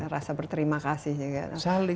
rasa berterima kasih juga